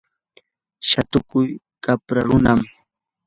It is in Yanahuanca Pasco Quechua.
shatuku qapra runam.